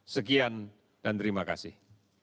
sekian dan terima kasih